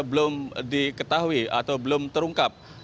belum diketahui atau belum terungkap